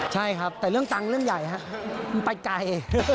ใช่ครับแต่เรื่องตังค์เรื่องใหญ่ครับมันไปไกล